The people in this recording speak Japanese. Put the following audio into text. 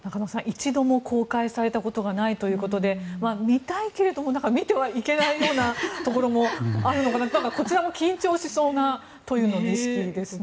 一度も公開されたことがないということで見たいけれども見てはいけないようなところもあるのかなとこちらも緊張しそうな塗油の儀式ですね。